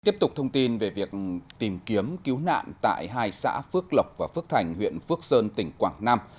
tiếp tục thông tin về việc tìm kiếm cứu nạn tại hai xã phước lộc và phước thành huyện phước sơn tỉnh quảng nam